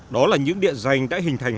đó là những địa danh đã hình thành